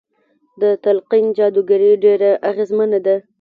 د تلقين جادوګري ډېره اغېزمنه ده.